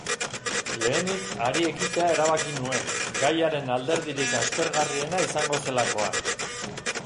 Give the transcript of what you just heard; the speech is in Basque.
Lehenik hari ekitea erabaki nuen, gaiaren alderdirik aspergarriena izango zelakoan.